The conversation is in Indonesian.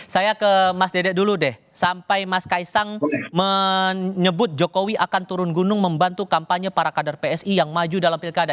saya ke mas dede dulu deh sampai mas kaisang menyebut jokowi akan turun gunung membantu kampanye para kader psi yang maju dalam pilkada